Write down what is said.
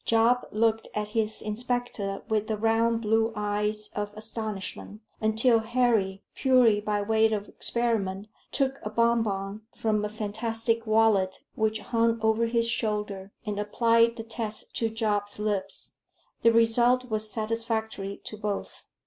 Job looked at his inspector with the round blue eyes of astonishment, until Harry, purely by way of experiment, took a bon bon from a fantastic wallet which hung over his shoulder, and applied the test to Job's lips. The result was satisfactory to both.